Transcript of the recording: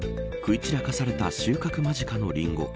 食い散らかされた収穫間近のリンゴ。